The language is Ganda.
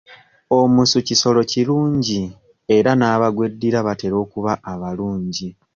Omusu kisolo kirungi era n'abagweddira batera okuba abalungi.